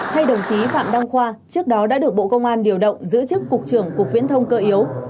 hay đồng chí phạm đăng khoa trước đó đã được bộ công an điều động giữ chức cục trưởng cục viễn thông cơ yếu